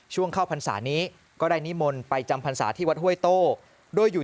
ช่วงเข้าพรรษานี้ก็ได้นิมนต์ไปจำพรรษาที่วัดห้วยโต้ด้วยอยู่